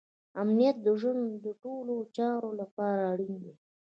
امنیت د ژوند د ټولو چارو لپاره اړین دی.